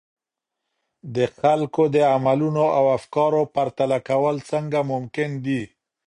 د خلګو د عملونو او افکارو پرتله کول څنګه ممکن دي؟